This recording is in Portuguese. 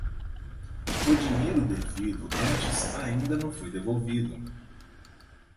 O dinheiro devido antes ainda não foi devolvido.